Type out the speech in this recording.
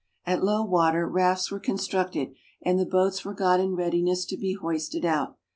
At low water, rafts were constructed, and the boats were got in readiness to be hoisted out.